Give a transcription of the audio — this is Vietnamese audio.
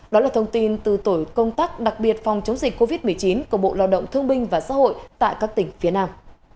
đó là thông tin từ tổ công tác đặc biệt phòng chống dịch covid một mươi chín của bộ lao động thương binh và xã hội tại các tỉnh phía nam